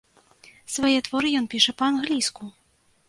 Свае творы ён піша па-англійску.